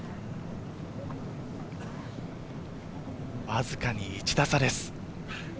わずかに１打差です。